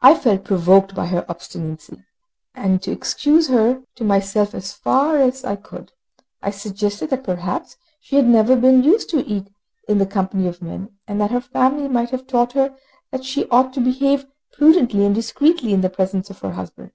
I felt provoked by her obstinacy, but to excuse her to myself as far as I could, I suggested that perhaps she had never been used to eat in the company of men, and that her family might have taught her that she ought to behave prudently and discreetly in the presence of her husband.